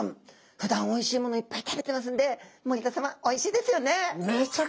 ふだんおいしいものいっぱい食べてますんで森田さまおいしいですよね？